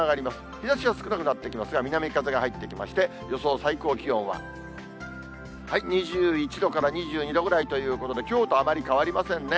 日ざしは少なくなってきますが、南風が入ってきまして、予想最高気温は、２１度から２２度ぐらいということで、きょうとあまり変わりませんね。